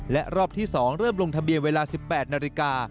และรอบที่๒เริ่มลงทะเบียนเวลา๑๘นาฬิกา